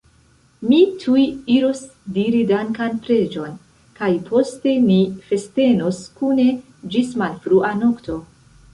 Mi tuj iros diri dankan preĝon, kaj poste ni festenos kune ĝis malfrua nokto!